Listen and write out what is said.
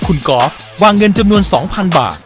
คุณกอล์ฟวางเงินจำนวน๒๐๐๐บาท